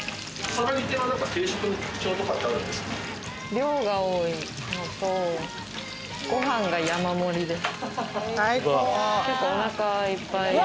量が多いのと、ご飯が山盛りです。